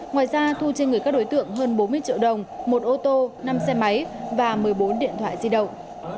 ngoài ra thu trên người các đối tượng hơn bốn mươi triệu đồng một ô tô năm xe máy và một mươi bốn điện thoại di động